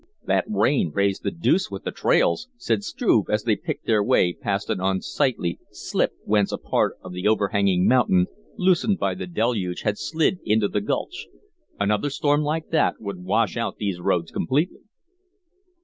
"That rain raised the deuce with the trails," said Struve, as they picked their way past an unsightly "slip" whence a part of the overhanging mountain, loosened by the deluge, had slid into the gulch. "Another storm like that would wash out these roads completely."